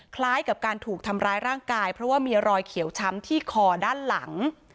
คล้ายกับการถูกทำร้ายร่างกายเพราะว่ามีรอยเขียวช้ำที่คอด้านหลัง